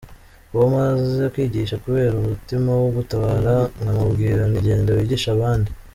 Uwo maze kwigisha kubera umutima wo gutabara nkamubwira nti genda wigishe abandi.